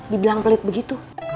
dibilang pelit begitu